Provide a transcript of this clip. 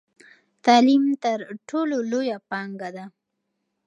تعلیم تر ټولو لویه پانګه ده.